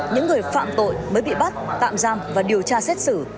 những người phạm tội mới bị bắt tạm giam và điều tra xét xử